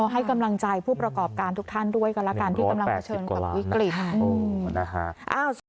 ให้กำลังใจผู้ประกอบการทุกท่านด้วยกันละกันที่กำลังเผชิญกับวิกฤต